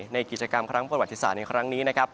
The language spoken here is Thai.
ในกิจกรรมครั้งประวัติศาสตร์ในครั้งนี้นะครับ